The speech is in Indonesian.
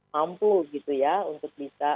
mampu untuk bisa